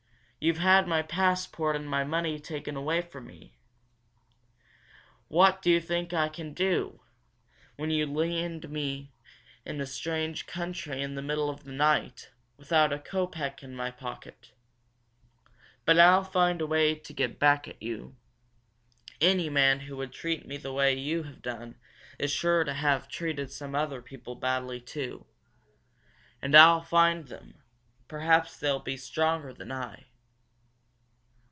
You've had my passport and my money taken from me. What do you think I can do, when you land me in a strange country in the middle of the night, without a kopeck in my pocket? But I'll find a way to get back at you. Any man who would treat me the way you have done is sure to have treated some other people badly, too. And I'll find them perhaps they'll be stronger than I."